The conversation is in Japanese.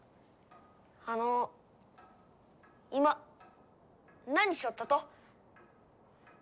あの今何しよったと？